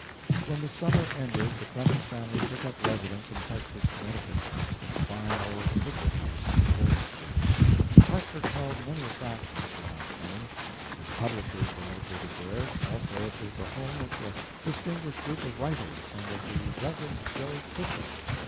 When the summer ended the Clemens family took up residence in Hartford, Connecticut, in the fine old Hooker house, on Forest Street. Hartford held many attractions for Mark Twain. His publishers were located there, also it was the home of a distinguished group of writers, and of the Rev. "Joe" Twichell.